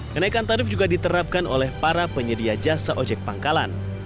kenaikan tarif juga diterapkan oleh para penyedia jasa ojek pangkalan